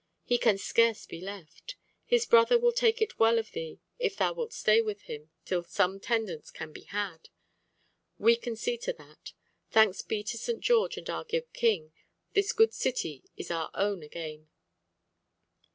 He can scarce be left. His brother will take it well of thee if thou wilt stay with him till some tendance can be had. We can see to that. Thanks be to St. George and our good King, this good City is our own again!"